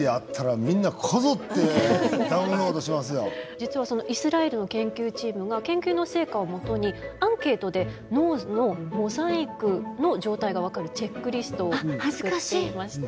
実はそのイスラエルの研究チームが研究の成果をもとにアンケートで脳のモザイクの状態が分かるチェックリストを作ってまして。